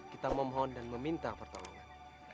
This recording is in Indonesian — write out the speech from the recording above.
kita memohon dan meminta pertolongan